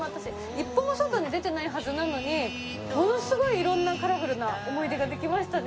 一歩も外に出てないはずなのにものすごい色んなカラフルな思い出ができましたね。